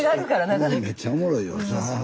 この人めっちゃおもろいよ。